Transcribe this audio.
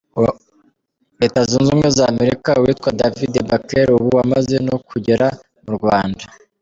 ubumwe z'Amerika witwa David Backel, ubu wamaze no kugera mu Rwanda.